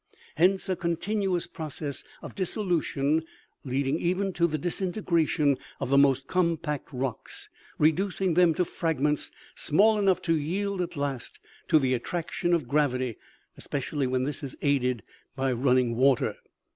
Hence, a continuous process of dissolution, leading even to the disintegration of the most compact rocks, re ducing them to fragments small enough to yield at last to the attraction of gravity, especially when this is aided by running water.